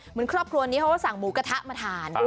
เหมือนครอบครัวนี้เขาสั่งหมูกระทะมาทาน